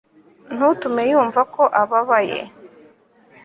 Ntutume yumva ko ababaye